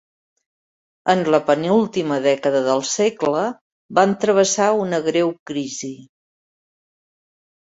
En la penúltima dècada del segle van travessar una greu crisi.